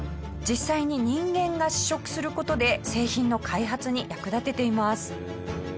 実際に人間が試食する事で製品の開発に役立てています。